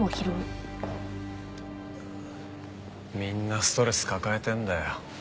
みんなストレス抱えてんだよ。